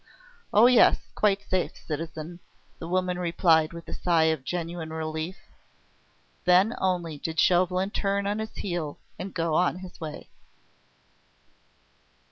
"Oh, yes! quite safe, citizen!" the woman replied with a sigh of genuine relief. Then only did Chauvelin turn on his heel and go his way.